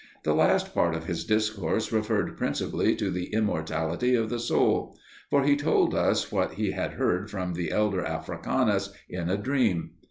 The last part of his discourse referred principally to the immortality of the soul; for he told us what he had heard from the elder Africanus in a dream.